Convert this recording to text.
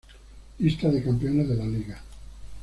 Lista de campeones de la liga.